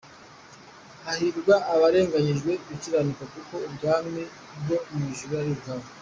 Hahirwa abarenganyirijwe gukiranuka kuko ubwami bwo mu ijuru ari ubwabo.